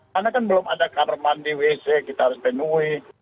karena kan belum ada kamar mandi wc kita harus penuhi